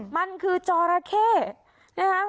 มันคือจอราเข้นะคะ